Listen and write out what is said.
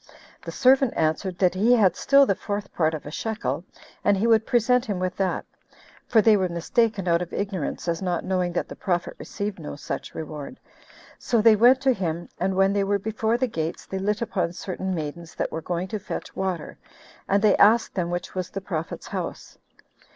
The servant answered, that he had still the fourth part of a shekel, and he would present him with that; for they were mistaken out of ignorance, as not knowing that the prophet received no such reward 6 So they went to him; and when they were before the gates, they lit upon certain maidens that were going to fetch water, and they asked them which was the prophet's house.